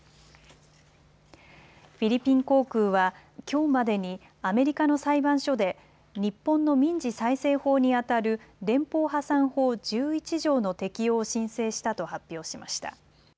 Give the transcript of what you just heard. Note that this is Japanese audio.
フィリピン航空は、きょうまでにアメリカの裁判所で日本の民事再生法にあたる連邦破産法１１条の適用を申請したと発表しました。